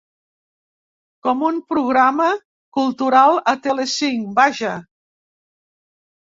Com un programa cultural a Tele cinc, vaja!